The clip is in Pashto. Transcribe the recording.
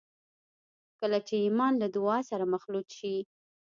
کله چې ایمان له دعا سره مخلوط شي